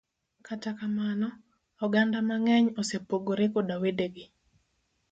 Kata kamano, oganda mang'eny, osepogre koda wedegi.